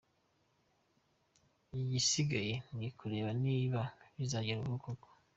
Igisigaye ni ukureba niba bizagerwaho koko.